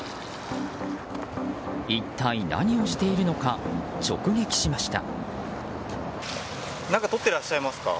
一体何をしているのか直撃しました。